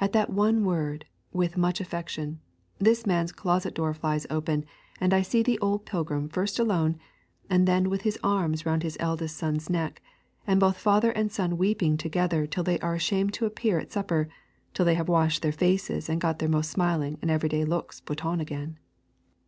At that one word 'with much affection,' this man's closet door flies open and I see the old pilgrim first alone, and then with his arms round his eldest son's neck, and both father and son weeping together till they are ashamed to appear at supper till they have washed their faces and got their most smiling and everyday looks put on again.